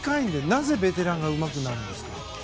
なぜベテランがうまくなるんですか？